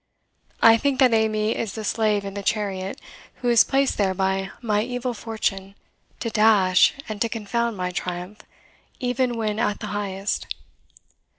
I think that Amy is the slave in the chariot, who is placed there by my evil fortune to dash and to confound my triumph, even when at the highest.